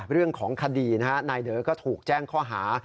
เรื่องของคดีนะฮะนายเด๋อก็ถูกแจ้งข้อหา